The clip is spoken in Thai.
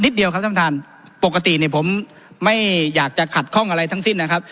เดียวครับท่านท่านปกติเนี่ยผมไม่อยากจะขัดข้องอะไรทั้งสิ้นนะครับ